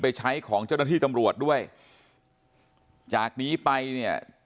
ไปใช้ของเจ้าหน้าที่ตำรวจด้วยจากนี้ไปเนี่ย